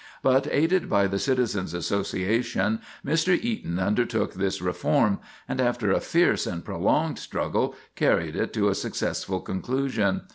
But, aided by the Citizens' Association, Mr. Eaton undertook this reform, and after a fierce and prolonged struggle carried it to a successful conclusion.